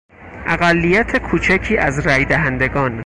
اقلیت کوچکی از رای دهندگان